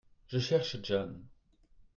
Je cherche John.